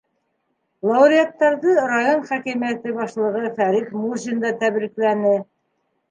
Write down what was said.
Лауреаттарҙы район хакимиәте башлығы Фәрит Мусин да тәбрикләне: